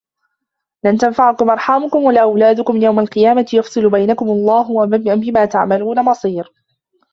لَن تَنفَعَكُم أَرحامُكُم وَلا أَولادُكُم يَومَ القِيامَةِ يَفصِلُ بَينَكُم وَاللَّهُ بِما تَعمَلونَ بَصيرٌ